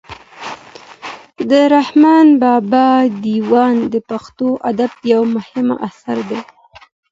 د رحمان بابا دېوان د پښتو ادب یو مهم اثر دی.